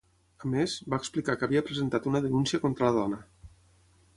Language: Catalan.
A més, va explicar que havia presentat una denúncia contra la dona.